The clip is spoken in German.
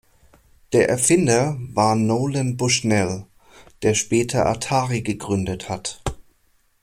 Der Erfinder war Nolan Bushnell, der später Atari gegründet hat.